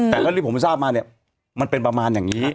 แต่เรื่องที่ผมทราบมาเนี่ยมันเป็นประมาณอย่างนี้